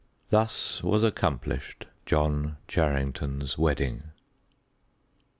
Thus was accomplished John Charrington's wedding.